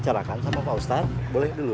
saya tak nak berbincang sama siapa dia